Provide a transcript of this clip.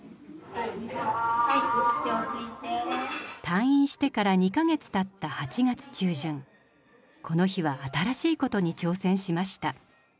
退院してから２か月たった８月中旬この日は新しいことに挑戦しました。